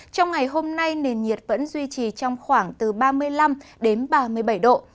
trong ngày hôm nay nền nhiệt vẫn duy trì trong khoảng từ ba mươi năm đến ba mươi bảy độ